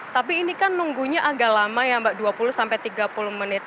tapi ini kan nunggunya agak lama ya mbak dua puluh sampai tiga puluh menit